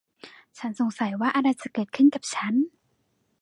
ฉันสงสัยว่าอะไรจะเกิดขึ้นกับฉัน !